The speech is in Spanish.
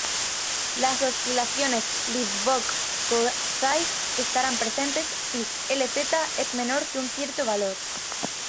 Las oscilaciones Lidov-Kozai estarán presentes si Lz es menor que un cierto valor.